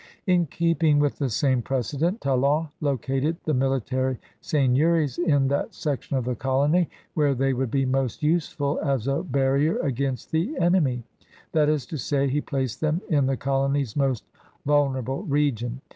'' In keeping with the same precedent. Talon located the military seigneuries in that section of the colony where they would be most useful as a barrier against the enemy; that is to say, he placed them in the colony's most vulner able region.